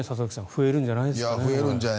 増えるんじゃないですか。